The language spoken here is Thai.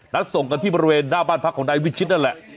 ส่งกันที่บริเวณหน้าบ้านพักของนายวิชิตนั่นแหละ